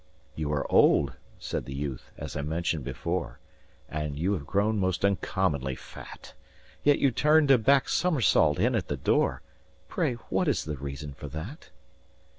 "You are old," said the youth, "as I mentioned before, And you have grown most uncommonly fat; Yet you turned a back somersault in at the door Pray what is the reason for that?"